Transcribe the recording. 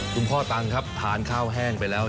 คุณพ่อตังครับทานข้าวแห้งไปแล้ว